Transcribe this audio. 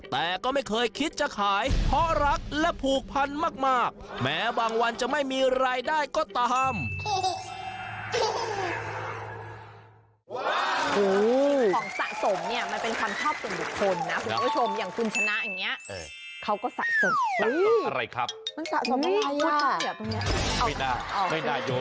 แต่ก็ไม่เคยคิดจะขายเพราะรักและผูกพันมากแม้บางวันจะไม่มีรายได้ก็ตาม